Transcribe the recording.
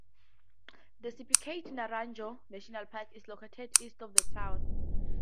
The Sipicate-Naranjo National Park is located east of the town.